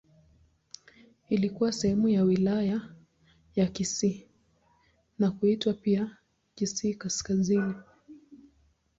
Ilikuwa sehemu ya Wilaya ya Kisii na kuitwa pia Kisii Kaskazini.